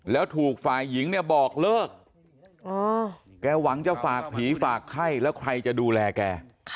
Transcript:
แล้วถูกฝ่ายหญิงเนี่ยบอกเลิกแกหวังจะฝากผีฝากไข้แล้วใครจะดูแลแก